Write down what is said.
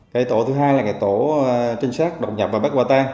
cái tổ thứ hai là cái tổ trinh sát đột nhập và bắt quả tang